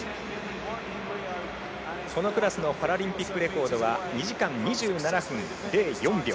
このクラスのパラリンピックレコードは２時間２７分０４秒。